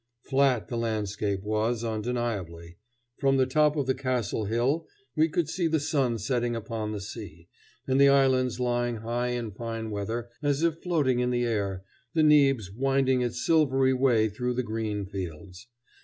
Flat the landscape was, undeniably. From the top of the castle hill we could see the sun setting upon the sea, and the islands lying high in fine weather, as if floating in the air, the Nibs winding its silvery way through the green fields.